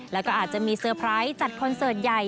แล้วก็อาจจะมีเซอร์ไพรส์จัดคอนเสิร์ตใหญ่